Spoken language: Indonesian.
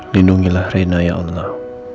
lindungilah reina ya allah